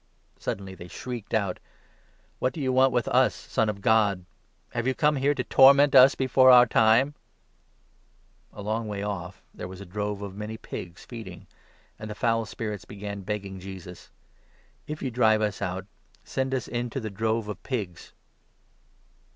Suddenly 29 they shrieked out :" What do you want with us, Son of God ? Have you come here to torment us before our time ?" A long way off, there was a drove of many pigs, feeding ; and 30, 3 the foul spirits began begging Jesus': " If you drive us out, send us into the drove of pigs."